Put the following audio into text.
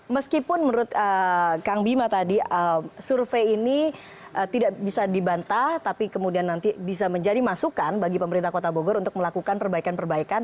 meskipun menurut kang bima tadi survei ini tidak bisa dibantah tapi kemudian nanti bisa menjadi masukan bagi pemerintah kota bogor untuk melakukan perbaikan perbaikan